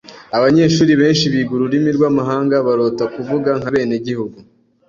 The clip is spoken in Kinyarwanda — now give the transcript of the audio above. Abanyeshuri benshi biga ururimi rwamahanga barota kuvuga nkabenegihugu.